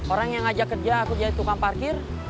orang yang ngajak kerja aku jadi tukang parkir